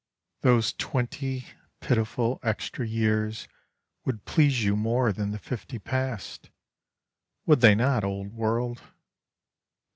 Those twenty, pitiful, extra years Would please you more than the fifty past, Would they not, Old World?